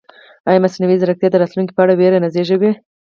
ایا مصنوعي ځیرکتیا د راتلونکي په اړه وېره نه زېږوي؟